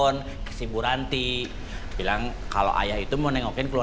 wah tebal lagi ini ma